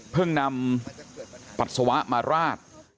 เพิ่งนำปัสสาวะมาราศ